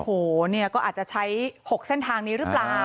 โอ้โหเนี่ยก็อาจจะใช้๖เส้นทางนี้หรือเปล่า